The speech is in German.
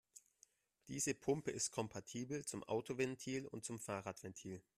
Diese Pumpe ist kompatibel zum Autoventil und zum Fahrradventil.